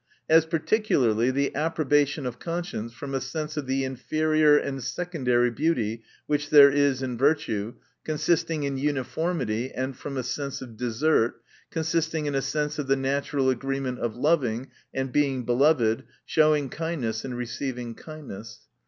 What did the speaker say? As particularly, the appro bation of conscience, from a sense of the inferior and secondary beauty which there is in virtue, consisting in uniformity, and from a sense of desert, consisting in a sense of the natural agreement of loving and being beloved, showing kind ness and receving kindness.